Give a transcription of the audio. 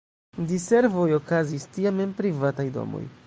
Diservoj okazis tiam en privataj domoj.